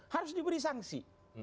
harus diberi sanksi